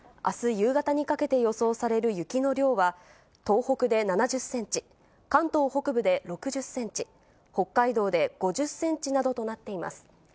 あす夕方にかけて予想される雪の量は、東北で７０センチ、関東北部で６０センチ、北海道で５０センチなどとなっています。